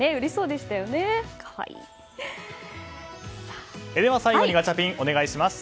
では最後にガチャピンお願いします。